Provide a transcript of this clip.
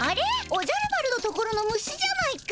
おじゃる丸のところの虫じゃないか。